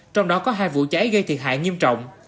trong đó có hai vụ cháy gây thiệt hại nghiêm trọng